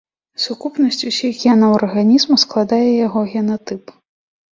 Сукупнасць усіх генаў арганізма складае яго генатып.